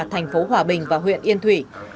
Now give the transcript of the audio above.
thành phố hòa bình và huyện yên thủy